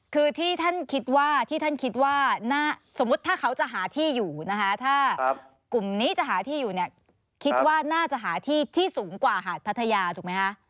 คือที่ท่านคิดว่าที่ท่านคิดว่าสมมุติถ้าเขาจะหาที่อยู่นะคะถ้ากลุ่มนี้จะหาที่อยู่เนี่ยคิดว่าน่าจะหาที่ที่สูงกว่าหาดพัทยาถูกไหมคะ